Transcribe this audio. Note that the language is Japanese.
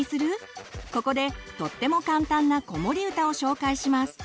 ここでとっても簡単な子守歌を紹介します。